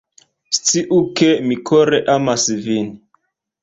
Sciu ke, mi kore amas vin